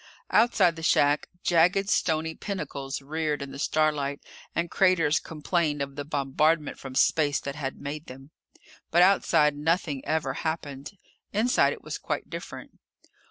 Outside the shack, jagged stony pinnacles reared in the starlight, and craters complained of the bombardment from space that had made them. But, outside, nothing ever happened. Inside, it was quite different.